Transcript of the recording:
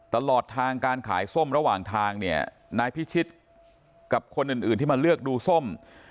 ตลอดทางการขายส้มระหว่างทางเนี่ยนายพิชิตกับคนอื่นที่มาเลือกดูส้ม